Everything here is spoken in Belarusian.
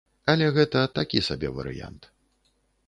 Але гэта такі сабе варыянт.